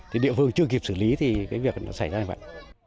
thì địa phương chưa kịp xử lý thì cái việc nó xảy ra như vậy